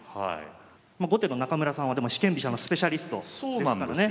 後手の中村さんはでも四間飛車のスペシャリストですからね。